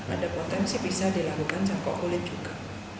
ada potensi bisa dilakukan cangkok kulit juga